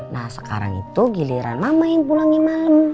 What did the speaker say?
nah sekarang itu giliran mama yang pulangnya malam